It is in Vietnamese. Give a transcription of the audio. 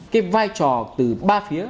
cái vai trò từ ba phía